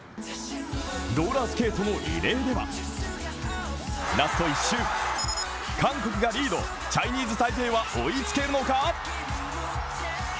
ローラースケートのリレーではラスト１周、韓国がリードチャイニーズ・タイペイは追いつけるのか。